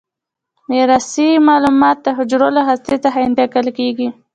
میراثي معلومات د حجره له هسته څخه انتقال کیږي.